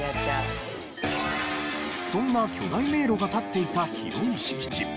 そんな巨大迷路が立っていた広い敷地。